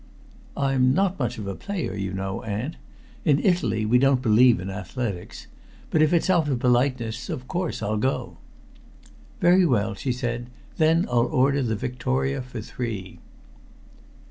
"I'm not much of a player, you know, aunt. In Italy we don't believe in athletics. But if it's out of politeness, of course, I'll go." "Very well," she said. "Then I'll order the victoria for three."